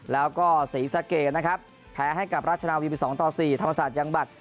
แล้วก็ศรีสะเกดนะครับแพ้ให้กับราชนาวีไป๒ต่อ๔ธรรมศาสตร์ยังบัตร